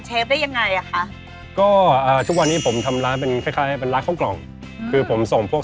จนทุกวันนี้ผมยังไม่ค่อยมากตอบเลยครับ